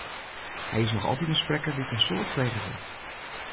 Hy is noch altyd in sprekker dy't in soad frege wurdt.